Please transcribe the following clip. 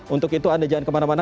untuk itu anda jangan kemana mana